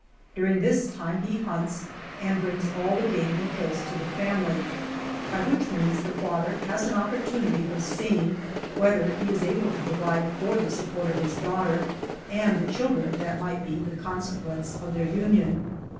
During this time he hunts, and brings all the game he kills to the family; by which means the father has an op portunity of seeing whether he is able to provide for the sup port of his daughter and the children that might be the con sequence of their union.